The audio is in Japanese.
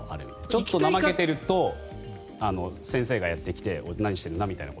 ちょっと怠けていると先生がやってきておい、何してるんだみたいな。